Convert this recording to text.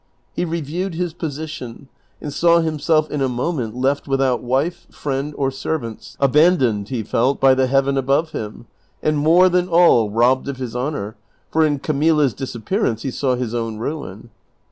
He reviewed his position, and saw himself in a moment left without wife, friend, or servants, abandoned, he felt, by the heaven above him, and more than all robbed of his honor, for in Camilla's disappearance he saw his own ruin.